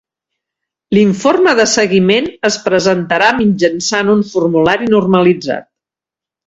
L'informe de seguiment es presentarà mitjançant un formulari normalitzat.